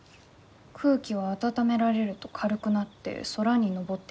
「空気は温められると軽くなって空にのぼっていきます。